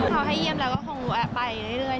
เขาให้เยี่ยมแล้วก็คงไปเรื่อย